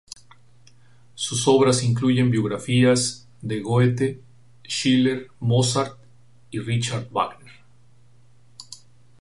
Sus obras incluyen biografías de Goethe, Schiller, Mozart y Richard Wagner.